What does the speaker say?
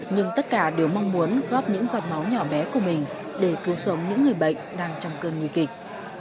nhưng tất cả đều mong muốn góp những giọt máu nhỏ bé của mình để cứu sống những người bệnh đang trong cơn nguy kịch